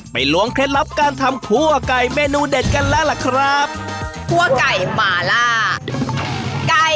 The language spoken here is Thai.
ล้วงเคล็ดลับการทำคั่วไก่เมนูเด็ดกันแล้วล่ะครับคั่วไก่หมาล่าไก่